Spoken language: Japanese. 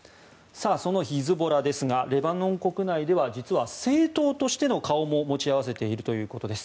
そのヒズボラですがレバノン国内では政党としての顔も持ち合わせているということです。